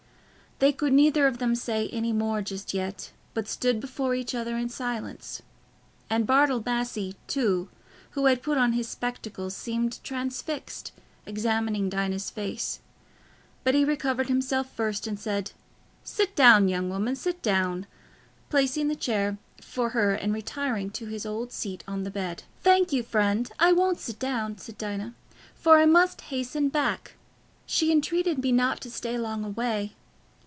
They could neither of them say any more just yet, but stood before each other in silence; and Bartle Massey, too, who had put on his spectacles, seemed transfixed, examining Dinah's face. But he recovered himself first, and said, "Sit down, young woman, sit down," placing the chair for her and retiring to his old seat on the bed. "Thank you, friend; I won't sit down," said Dinah, "for I must hasten back. She entreated me not to stay long away.